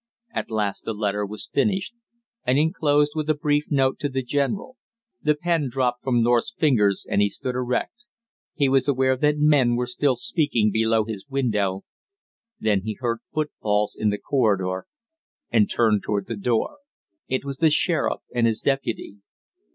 At last the letter was finished and inclosed with a brief note to the general. The pen dropped from North's fingers and he stood erect, he was aware that men were still speaking below his window, then he heard footfalls in the corridor, and turned toward the door. It was the sheriff and his deputy.